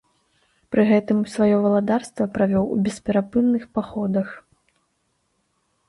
Пры гэтым свае валадарства правёў у бесперапынных паходах.